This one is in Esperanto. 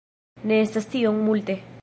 Ne estas tiom multe.